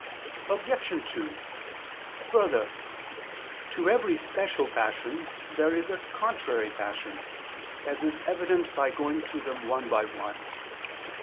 Obj. 2: Further, to every special passion there is a contrary passion; as is evident by going through them one by one.